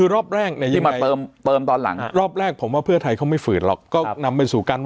รอบแรกผมว่าเพื่อไทยเขาไม่ฝืดหรอก